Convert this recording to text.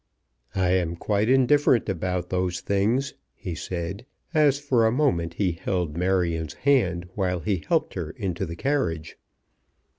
"I am quite indifferent about those things," he said, as for a moment he held Marion's hand while he helped her into the carriage.